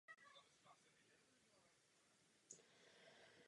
Po propuštění vstoupil do Nezávislé labouristické strany.